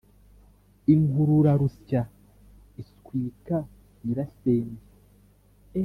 inkururarusya iswika nyirasenge